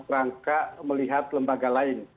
rangka melihat lembaga lain